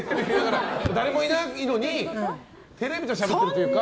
誰もいないのにテレビとしゃべっているというか。